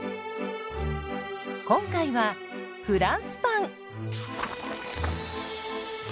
今回はフランスパン。